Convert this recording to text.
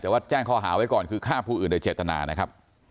แต่ว่าแจ้งข้อหาไว้ก่อนคือฆ่าผู้อื่นโดยเจตนานะครับ